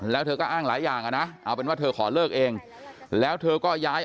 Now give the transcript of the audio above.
แล้วเธอก็อ้างหลายอย่างอ่ะนะเอาเป็นว่าเธอขอเลิกเองแล้วเธอก็ย้าย